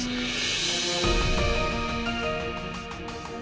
pintu yang harus diberikan